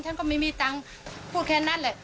ฉันก็ไม่มีเงินแค่นั้นเลย